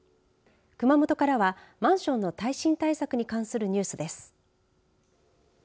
熊本からはマンションの耐震対策に関するニュースです。